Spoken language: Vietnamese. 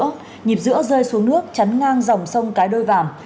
trong đó nhịp giữa rơi xuống nước chắn ngang dòng sông cái đôi vàm